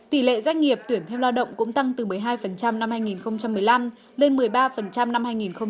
tỷ lệ doanh nghiệp tuyển theo lao động cũng tăng từ một mươi hai năm hai nghìn một mươi năm lên một mươi ba năm hai nghìn một mươi tám